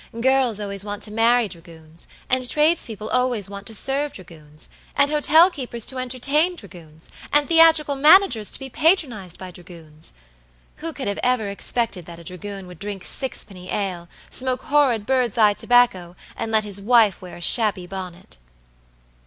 "Girls always want to marry dragoons; and tradespeople always want to serve dragoons; and hotel keepers to entertain dragoons; and theatrical managers to be patronized by dragoons. Who could have ever expected that a dragoon would drink sixpenny ale, smoke horrid bird's eye tobacco, and let his wife wear a shabby bonnet?"